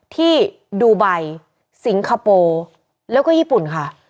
ที่ดูไบสิงคโปร์แล้วก็ญี่ปุ่นค่ะ